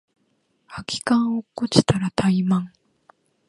空き缶落っこちたらタイマン